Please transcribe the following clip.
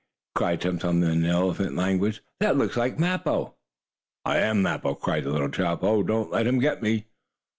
cried Tum Tum, in elephant language. "That looks like Mappo." "I am Mappo!" cried the little chap. "Oh, don't let him get me!"